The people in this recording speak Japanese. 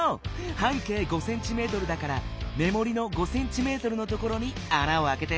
半径５ｃｍだからめもりの５ｃｍのところにあなをあけて。